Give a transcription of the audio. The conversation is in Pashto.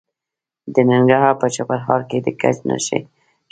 د ننګرهار په چپرهار کې د ګچ نښې شته.